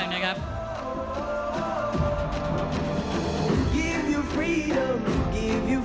ท่านแรกครับจันทรุ่ม